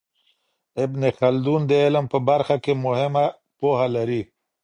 ابن خلدون د علم په برخه کي مهمه پوهه لري.